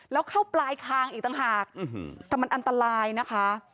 แล้วเข้าปลายคางอีกต่างหากแต่มันอันตรายนะคะ